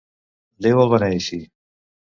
Déu el beneeixi.